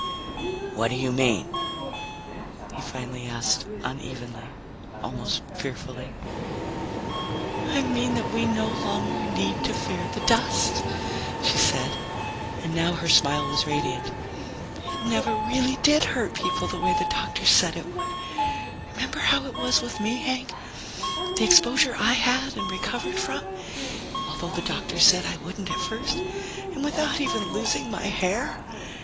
"What do you mean?" he finally asked unevenly, almost fearfully. "I mean that we no longer need to fear the dust," she said, and now her smile was radiant. "It never really did hurt people the way the doctors said it would. Remember how it was with me, Hank, the exposure I had and recovered from, although the doctors said I wouldn't at first and without even losing my hair?